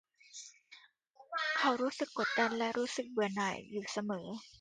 เขารู้สึกกดดันและรู้สึกเบื่อหน่ายอยู่เสมอ